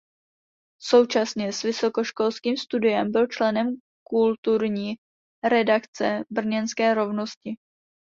Současně s vysokoškolským studiem byl členem kulturní redakce brněnské Rovnosti.